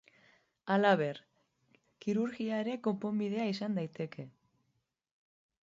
Halaber, kirurgia ere konponbidea izan daiteke.